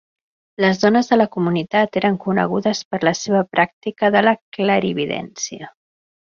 Les dones de la comunitat eren conegudes per la seva pràctica de la clarividència.